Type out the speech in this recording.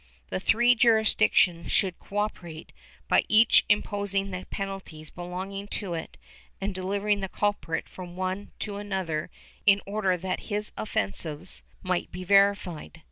The three jurisdictions should cooperate, by each imposing the penalties belonging to it and delivering the culprit from one to another in order that his offences might be verified.